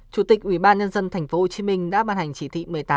chủ tịch ubnd tp hcm đã ban hành chỉ thị một mươi tám